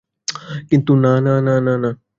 কিন্তু না, না, না, না।